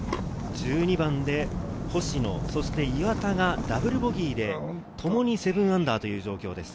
１２番で星野、岩田がダブルボギーで、ともに−７という状況です。